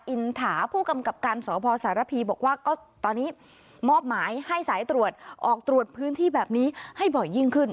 อินถาผู้กำกับการสพสารพีบอกว่าก็ตอนนี้มอบหมายให้สายตรวจออกตรวจพื้นที่แบบนี้ให้บ่อยยิ่งขึ้น